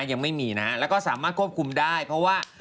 ยังไม่มีนะฮะแล้วก็สามารถควบคุมได้เพราะว่า